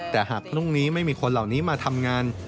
แต่หากพรุ่งนี้ไม่มีคนเหล่านี้มาทำงาน